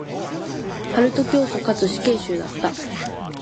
カルト教祖かつ死刑囚だった。